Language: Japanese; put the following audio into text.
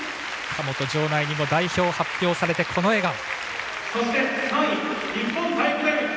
神本、場内にも代表が発表されて笑顔。